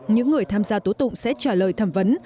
những người tham gia tố tụng sẽ trả lời thẩm vấn